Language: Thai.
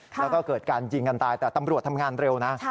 แล้วก็เกิดการยิงกันตายแต่ตำรวจทำงานเร็วนะ